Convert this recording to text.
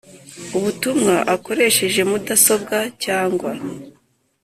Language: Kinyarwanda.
Ubutumwa akoresheje mudasobwa cyangwa